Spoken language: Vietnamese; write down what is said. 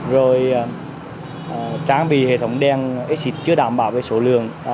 rồi trang bị hệ thống đen exit chưa đảm bảo về số lượng